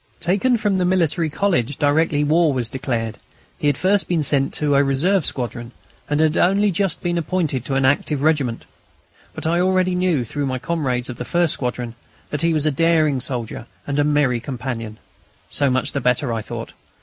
Taken from the Military College directly war was declared, he had first been sent to a reserve squadron, and had only just been appointed to an active regiment. But I already knew, through my comrades of the first squadron, that he was a daring soldier and a merry companion. So much the better, I thought.